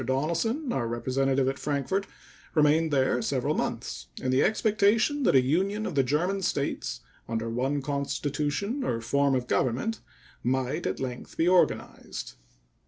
Donelson, our representative at Frankfort, remained there several months in the expectation that a union of the German States under one constitution or form of government might at length be organized.